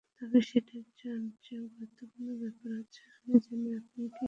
তবে সেটার চেয়েও গুরুত্বপূর্ণ ব্যাপার হচ্ছে, আমি জানি আপনি কী!